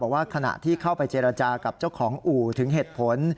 ว่าขณะที่เข้าไปเจรจากับเจ้าของอู่ถึงเหตุผล